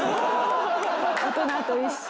大人と一緒。